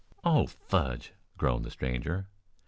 "Oh, fudge!" groaned the stranger.